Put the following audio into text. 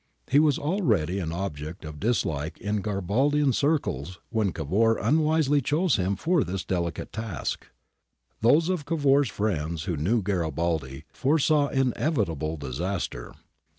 He was already an object of dislike in Garibaldian circles when Cavour unwisely chose him for this delicate task. Those of Cavour's friends who knew Garibaldi foresaw inevitable disaster.